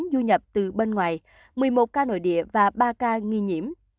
du nhập từ bên ngoài một mươi một ca nội địa và ba ca nghi nhiễm